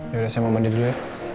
yaudah saya mau mandi dulu ya